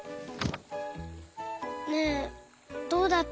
ねえどうだった？